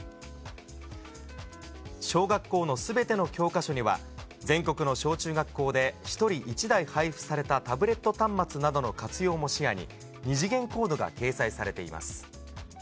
小学校のすべての教科書には、全国の小中学校で１人１台配付されたタブレット端末などの活用も視野に、二次元コードが掲載されています。